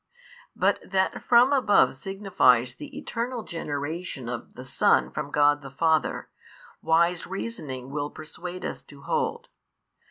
But that from above signifies the Eternal Generation of the Son from God the Father, wise reasoning will persuade us to hold.